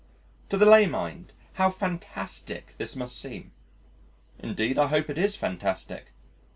To the lay mind how fantastic this must seem! Indeed, I hope it is fantastic.